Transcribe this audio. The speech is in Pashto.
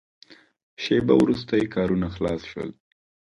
شېبه وروسته یې کارونه خلاص شول.